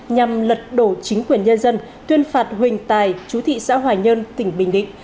nhằm lật đổ chính quyền nhân dân tuyên phạt huỳnh tài chú thị xã hòa nhân tỉnh bình định